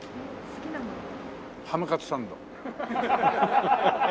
ハムカツサンド。